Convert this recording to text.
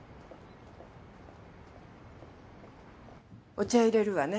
お茶いれるわね。